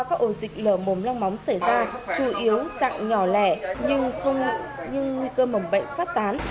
các ổ dịch lửa mồm long móng xảy ra chủ yếu sạng nhỏ lẻ nhưng nguy cơ mầm bệnh phát tán